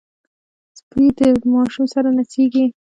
سپي د ماشوم سره نڅېږي.